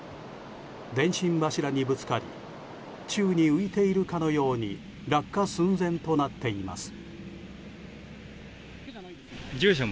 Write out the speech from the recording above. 電信柱にぶつかり宙に浮いているかのように落下寸前となっています。